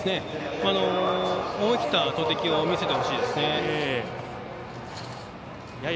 思い切った投てきを見せてほしいですね。